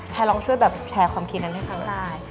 แพร่ลองช่วยแบบแชร์ความคิดนั้นให้เขา